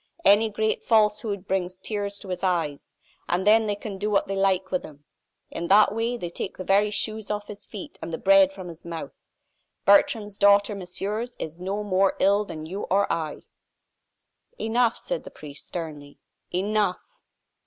Any great falsehood brings tears to his eyes, and then they can do what they like with him. In that way they take the very shoes off his feet and the bread from his mouth. Bertrande's daughter, messieurs, is no more ill than you or I!" "Enough," said the priest, sternly, "enough."